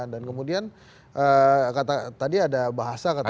dan kemudian tadi ada bahasa katanya